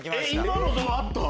今のあった？